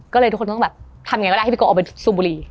ก็เลยทุกคนต้องแบบทำยังไงก็ได้ให้พี่โกะออกไปสูบบุหรี่